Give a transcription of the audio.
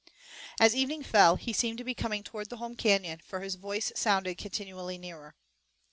As evening fell he seemed to be coming toward the home canyon, for his voice sounded continually nearer.